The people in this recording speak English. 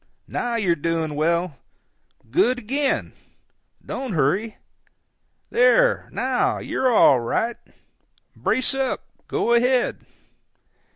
now you're doing well—good again—don't hurry—there, now, you're all right—brace up, go ahead."